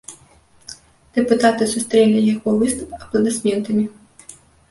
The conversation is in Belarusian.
Дэпутаты сустрэлі яго выступ апладысментамі.